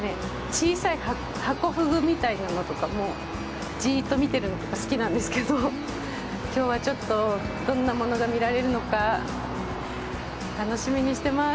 小さいハコフグみたいなのとかもじいっと見てるのとか好きなんですけどきょうは、ちょっとどんなものが見られるのか楽しみにしてます。